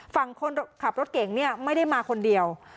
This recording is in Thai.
ฝั่งคนขับรถเก่งเนี่ยไม่ได้มาคนเดียว